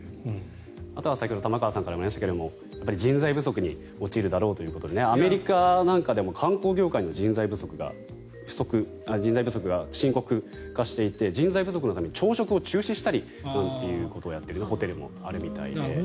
あとは玉川さんからもありましたが人材不足に陥るということでアメリカなんかでも観光業界での人材不足が深刻化していて人材不足のために朝食を中止したりというホテルもあるみたいで。